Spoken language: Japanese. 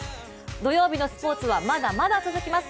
土曜日のスポーツはまだまだ続きます。